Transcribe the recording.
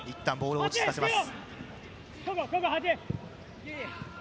いったんボールを落ち着かせます。